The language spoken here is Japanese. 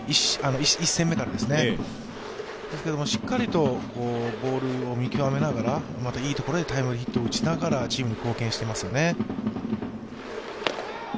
１戦目から、ですがしっかりとボールを見極めながらまたいいところへタイムリーヒットを打ちながらチームに貢献していますよね。